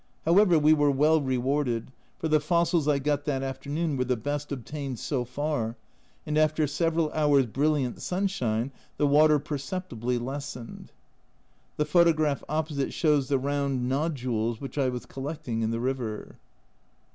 However, we were well rewarded, for the fossils I got that afternoon were the best obtained so far, and after several hours' brilliant sunshine the water perceptibly lessened. (The photograph opposite shows the round nodules which I was collecting in the river.)